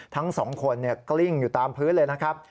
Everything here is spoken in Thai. ทั้งสองคนกลิ้งอยู่ตามพื้นเลยนะครับ